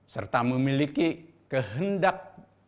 serta memiliki kehendak